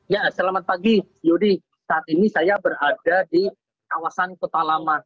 ya selamat pagi yudi saat ini saya berada di kawasan kota lama